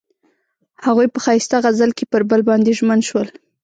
هغوی په ښایسته غزل کې پر بل باندې ژمن شول.